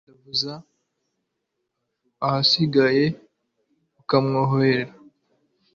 ukamwandavuza, ahasigaye ukamwohera